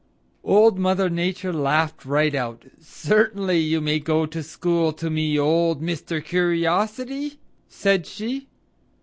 Old Mother Nature laughed right out. "Certainly you may go to school to me, old Mr. Curiosity," said she.